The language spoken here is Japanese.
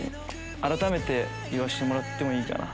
改めて言わしてもらってもいいかな。